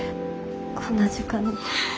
こんな時間に。